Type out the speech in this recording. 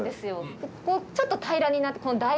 ここちょっと平らになってだ